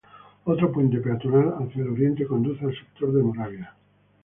Otro puente peatonal hacia el oriente conduce al sector de Moravia.